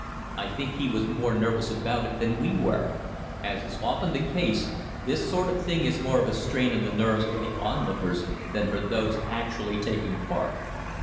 I think he was more nervous about it than we were: as is often the case, this sort of thing is more of a strain on the nerves for the onlookers than for those actually taking part.